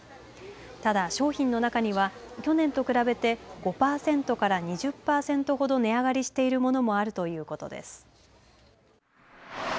ただ、商品の中には去年と比べて５パーセントから２０パーセントほど値上がりしているものもあるということです。